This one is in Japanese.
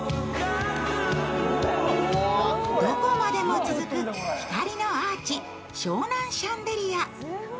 どこまでも続く光のアーチ・湘南シャンデリア。